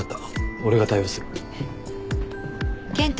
俺が対応する。